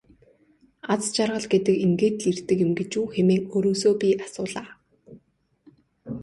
Аз жаргал гэдэг ингээд л ирдэг юм гэж үү хэмээн өөрөөсөө би асуулаа.